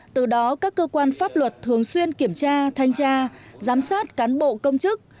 từ đó các cơ quan pháp luật thường xuyên kiểm tra thanh tra giám sát cán bộ công chức